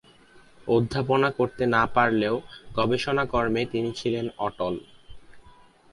অধ্যাপনা করতে না পারলেও গবেষণা কর্মে তিনি ছিলেন অটল।